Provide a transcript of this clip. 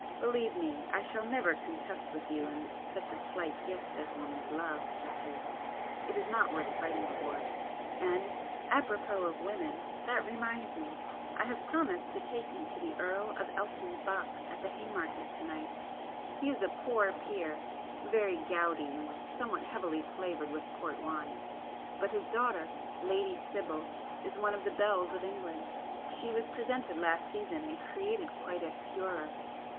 "Believe me, I shall never contest with you such a slight gift as woman's love, Geoffrey. It is not worth fighting for. And apropos of women, that reminds me,—I have promised to take you to the Earl of Elton's box at the Haymarket to night,—he is a poor peer, very gouty and somewhat heavily flavoured with port wine, but his daughter, Lady Sibyl, is one of the belles of England. She was presented last season and created quite a furore.